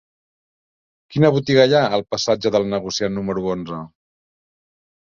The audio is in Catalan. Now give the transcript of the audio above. Quina botiga hi ha al passatge del Negociant número onze?